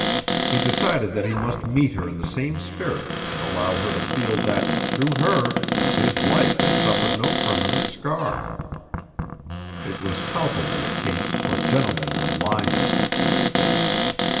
He decided that he must meet her in the same spirit and allow her to feel that, through her, his life had suffered no permanent scar. It was palpably a case for gentlemanly lying.